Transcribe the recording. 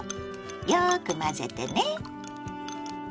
よく混ぜてね。